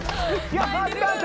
やったぜ！